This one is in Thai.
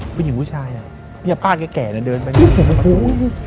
ผู้หญิงผู้ชายนี่ป้านแก่นายเดินไปหน้าประตู